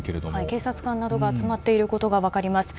警察官などが集まっていることが分かります。